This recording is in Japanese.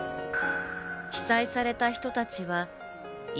被災された人たちは今。